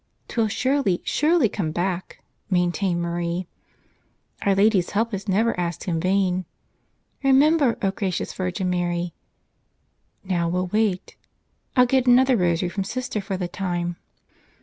" 'Twill surely, surely come back," maintained Marie. "Our Lady's help is never asked in vain. 'Remember, O gracious Virgin Mary!' Now we'll wait. I'll get an¬ other rosary from Sister for the time."